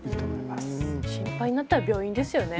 心配になったら病院ですよね。